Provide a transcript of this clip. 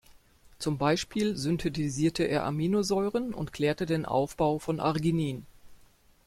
Zum Beispiel synthetisierte er Aminosäuren und klärte den Aufbau von Arginin.